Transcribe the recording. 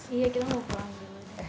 iya kita mau pulang dulu